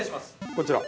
◆こちら。